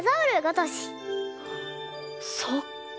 そっか。